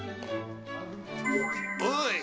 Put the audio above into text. おい！